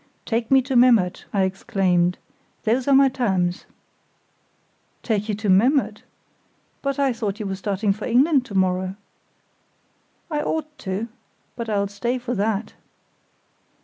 "Take me to Memmert," I exclaimed. "Those are my terms!" "Take you to Memmert? But I thought you were starting for England to morrow?" "I ought to; but I'll stay for that."